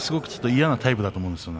嫌な相手だと思うんです